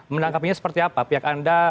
menangkapinya seperti apa pihak anda